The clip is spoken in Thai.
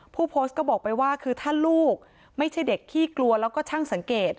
ผู้โพสต์ก็บอกไปว่าคือถ้าลูกไม่ใช่เด็กขี้กลัวแล้วก็ช่างสังเกต